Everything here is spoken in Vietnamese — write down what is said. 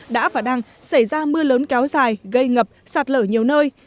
đã và đang xảy ra mưa lớn kéo dài gây ngập sạt lở nhiều nơi